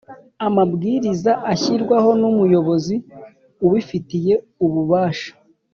Amabwiriza ashyirwaho n ‘umuyobozi ubifitiye ububasha.